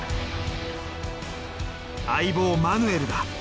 相棒マヌエルだ。